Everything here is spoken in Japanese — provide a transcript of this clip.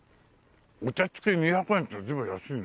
お茶付き２００円って随分安いね。